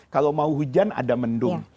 kalau mau hujan ada mendung